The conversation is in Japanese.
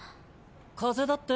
風邪だって。